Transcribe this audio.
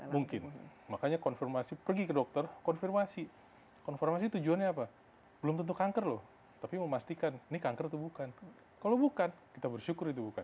mungkin makanya konfirmasi pergi ke dokter konfirmasi konfirmasi tujuannya apa belum tentu kanker loh tapi memastikan ini kanker atau bukan kalau bukan kita bersyukur itu bukan